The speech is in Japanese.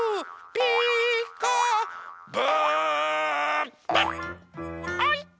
「ピーカーブ！」